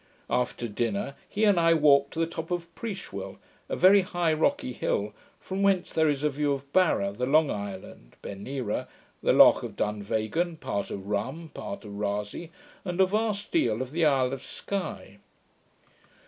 After dinner he and I walked to the top of Prieshwell, a very high rocky hill, from whence there is a view of Barra, the Long Island, Bernera, the Loch of Dunvegan, part of Rum, part of Rasay, and a vast deal of the isle of Sky.